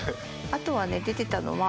あとはね出てたのは。